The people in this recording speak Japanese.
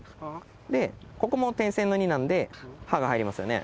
でここも点線の２なんで「ハ」が入りますよね。